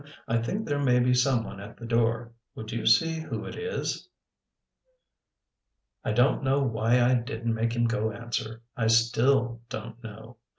I think there may be someone at the door. Would you see who it is?" I don't know why I didn't make him go answer. I still don't know.